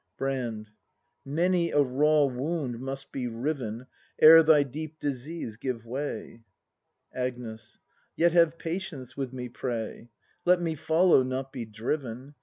Brand. Many a raw wound must be riven Ere thy deep disease give way. Agnes. Yet have patience with me, pray. Let me follow, not be driven.